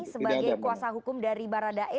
sebagai kuasa hukum dari baradae